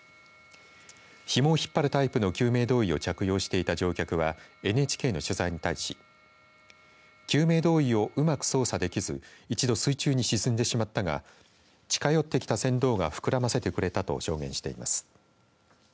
ひもを引っ張るタイプの救命胴衣を着用していた乗客はＮＨＫの取材に対し救命胴衣をうまく操作できず一度、水中に沈んでしまったが近寄ってきた船頭が膨らませてくれたと証言しています。